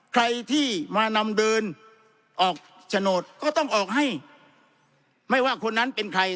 ใครที่มานำเดินออกโฉนดก็ต้องออกให้ไม่ว่าคนนั้นเป็นใคร